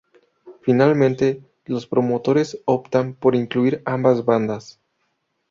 Finalmente, los promotores optaron por incluir ambas bandas.